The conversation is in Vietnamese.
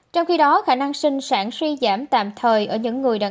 trong khi đó khả năng sinh sản suy giảm tạm thời ở những người đàn ông